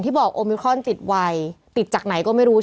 เพื่อไม่ให้เชื้อมันกระจายหรือว่าขยายตัวเพิ่มมากขึ้น